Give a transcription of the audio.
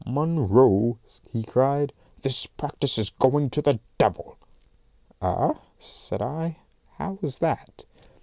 "Munro," he cried, "this practice is going to the devil!" "Ah!" said I. "How's that?